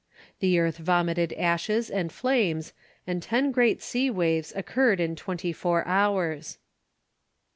The earth vomited ashes and flames, and ten great sea waves occurred in twenty four hours.